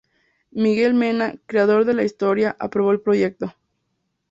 Miguel Mena, creador de la historia, aprobó el proyecto.